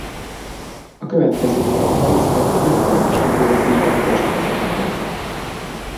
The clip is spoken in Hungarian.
A következő évben részt vett egy öt hónapos kiküldetésben Konstantinápolyban.